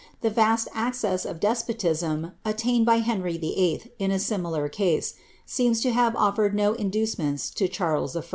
The ^'ast access of despotim attained by Ilcnry VIII., in a similar case, seems to have oflbred no ii (iucemonts to Charles I.